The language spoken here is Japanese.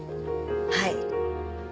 はい。